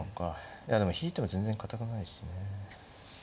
いやでも引いても全然堅くないしね。